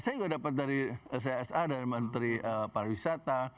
saya juga dapat dari csa dari menteri pariwisata